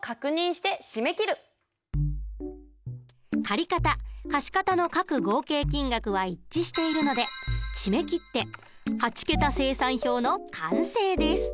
借方貸方の各合計金額は一致しているので締め切って８桁精算表の完成です。